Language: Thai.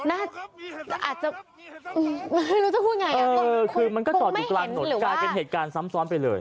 น่าจะไม่รู้จะพูดไงเออคือมันก็จอดอยู่กลางถนนกลายเป็นเหตุการณ์ซ้ำซ้อนไปเลย